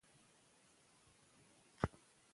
د هرات ښار د ابدالیانو په لاس کې و.